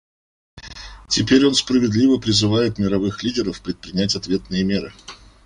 Теперь он справедливо призывает мировых лидеров предпринять ответные меры.